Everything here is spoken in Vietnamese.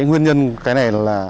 nguyên nhân cái này là